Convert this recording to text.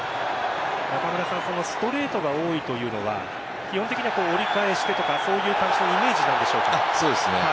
ストレートが多いというのは基本的には折り返してとかそういう感じのイメージなんでしょうか？